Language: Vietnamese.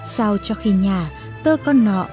sao cho khi nhà tơ con nọ